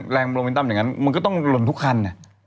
แรงโรวินตั้มอย่างนั้นมันก็ต้องหล่นทุกคัน